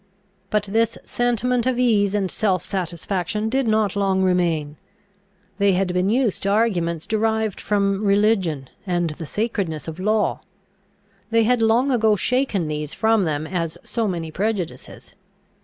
But this sentiment of ease and self satisfaction did not long remain. They had been used to arguments derived from religion and the sacredness of law. They had long ago shaken these from them as so many prejudices.